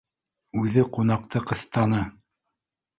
Үҙе ҡунаҡты ҡыҫтаны